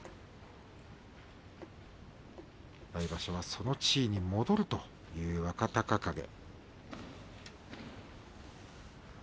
来場所はその地位に戻るという若隆景。